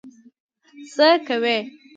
څه کوې؟